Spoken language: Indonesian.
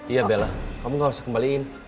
iya bella kamu gak usah kembaliin